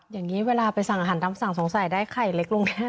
อย่างนี้เวลาไปสั่งอาหารตามสั่งสงสัยได้ไข่เล็กลงแน่